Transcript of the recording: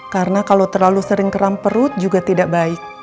karena kalau terlalu sering keram perut juga tidak baik